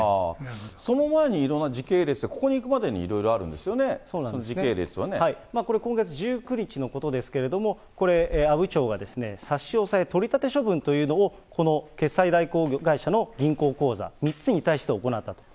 その前にいろんな時系列で、ここにいくまでにいろいろあるんそうなんですね、これ、今月１９日のことですけれども、これ、阿武町が差し押さえ・取り立て処分というのを、この決済代行会社の銀行口座３つに対して行ったと。